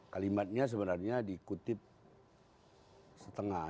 kalimatnya sebenarnya dikutip setengah